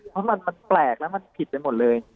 เพราะมันแปลกแล้วมันผิดไปหมดเลย